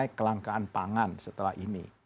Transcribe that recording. mengenai kelangkaan pangan setelah ini